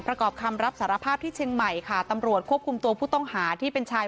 ประกอบคำรับสารภาพที่เชียงใหม่ค่ะตำรวจควบคุมตัวผู้ต้องหาที่เป็นชาย